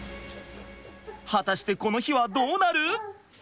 果たしてこの日はどうなる？